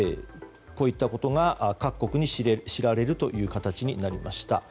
こういったことが各国に知られる形になりました。